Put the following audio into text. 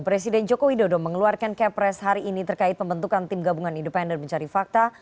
presiden joko widodo mengeluarkan kepres hari ini terkait pembentukan tim gabungan independen mencari fakta